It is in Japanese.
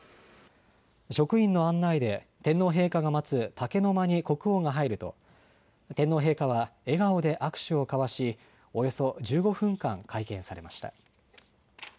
職員の案内で天皇陛下が待つ竹の間に国王が入ると天皇陛下は笑顔で握手を交わしおよそ１５分間会見されました。